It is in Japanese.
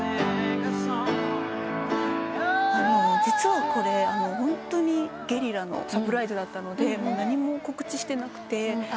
実はこれホントにゲリラのサプライズだったので何も告知してなくて。